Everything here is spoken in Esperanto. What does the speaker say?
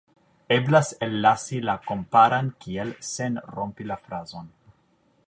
Eblas ellasi la komparan kiel sen rompi la frazon.